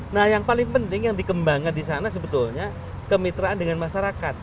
nah yang paling penting yang dikembangkan di sana sebetulnya kemitraan dengan masyarakat